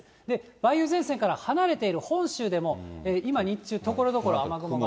梅雨前線から離れている本州でも、今、日中、ところどころ雨雲が。